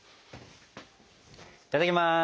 いただきます。